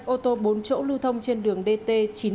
ô tô bốn chỗ lưu thông trên đường dt chín trăm bảy mươi năm